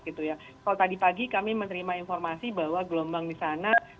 kalau tadi pagi kami menerima informasi bahwa gelombang di sana